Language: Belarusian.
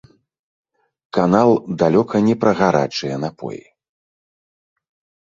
Канал далёка не пра гарачыя напоі.